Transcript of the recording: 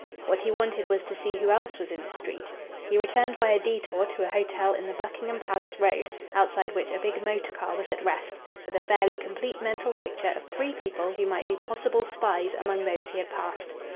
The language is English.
What he wanted was to see who else was in the street. He returned by a detour to an hotel in the Buckingham Palace Road, outside which a big motor car was at rest, with a fairly complete mental picture of three people who might be possible spies among those he had passed.